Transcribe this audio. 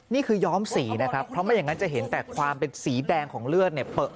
ย้อมสีนะครับเพราะไม่อย่างนั้นจะเห็นแต่ความเป็นสีแดงของเลือดเนี่ย